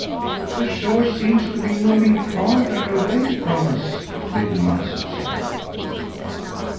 "The shore seems to be moving farther away from us," little Mats observed.